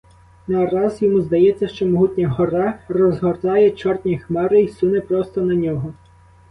Нараз йому здається, що могутня гора розгортає чорні хмари й суне просто на нього.